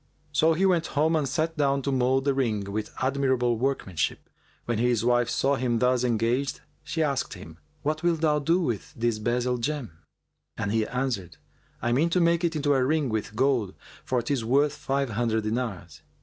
So he went home and sat down to mould the ring with admirable workmanship. When his wife saw him thus engaged, she asked him, "What wilt thou do with this bezel gem?"; and he answered, "I mean to make it into a ring with gold, for 'tis worth five hundred dinars."